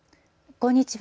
こんにちは。